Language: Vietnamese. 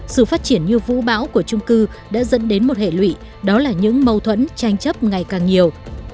sự phát triển như vũ bão của trung cư đã dẫn đến một hệ lụy đó là những mâu thuẫn tranh chấp ngày càng nhiều